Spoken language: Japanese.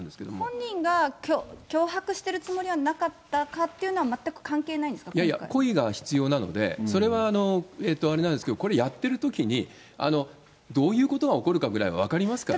本人が脅迫してるつもりはなかったかっていうのは、いやいや、故意が必要なので、それはあれなんですけど、これ、やってるときに、どういうことが起こるかぐらいは分かりますからね。